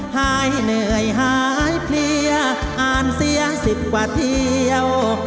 หายเหนื่อยหายเพลียอ่านเสีย๑๐กว่าเที่ยว